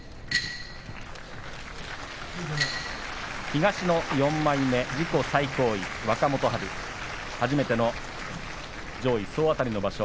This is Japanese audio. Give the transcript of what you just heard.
東の４枚目、自己最高位若元春初めての上位総当たりの場所